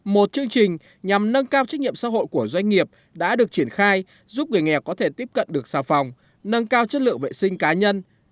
một chương trình nhằm nâng cao trách nhiệm xã hội của doanh nghiệp đã được triển khai giúp người nghèo có thể tiếp cận được xà phòng nâng cao chất lượng vệ sinh cá nhân